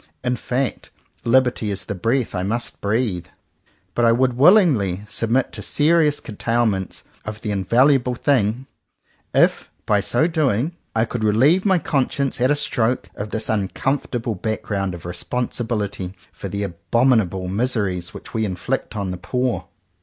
In fact liberty is the breath I must breathe. But I would willingly submit to serious curtailment of the invaluable thing, if by so doing I could relieve my conscience at a stroke of this uncomfortable background of responsibility for the abominable miseries which we inflict on the poor.